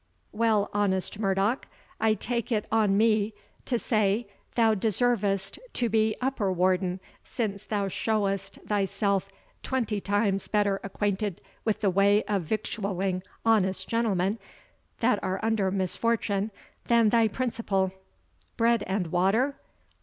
Well, honest Murdoch, I take it on me to say, thou deservest to be upper warden, since thou showest thyself twenty times better acquainted with the way of victualling honest gentlemen that are under misfortune, than thy principal. Bread and water?